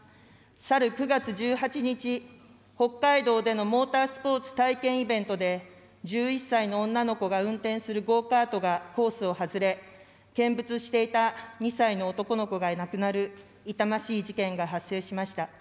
さる９月１８日、北海道でのモータースポーツ体験イベントで１１歳の女の子が運転するゴーカートがコースを外れ、見物していた２歳の男の子が亡くなる、痛ましい事件が発生しました。